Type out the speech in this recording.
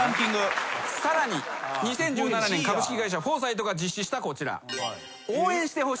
さらに２０１７年株式会社フォーサイトが実施したこちら。